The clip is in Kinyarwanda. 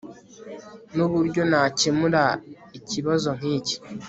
Nuburyo nakemura ikibazo nkiki